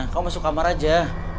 kamu masuk kamar aja